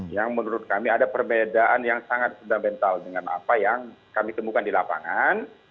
yang menurut kami ada perbedaan yang sangat fundamental dengan apa yang kami temukan di lapangan